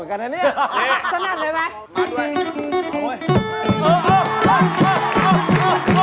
โอ้โฮ